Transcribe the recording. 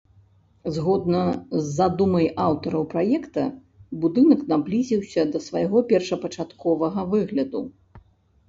Згодна з задумай аўтараў праекта, будынак наблізіўся да свайго першапачатковага выгляду.